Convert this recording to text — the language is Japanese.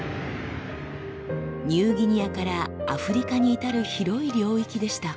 ニューギニアからアフリカに至る広い領域でした。